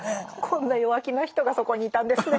こんな弱気な人がそこにいたんですね。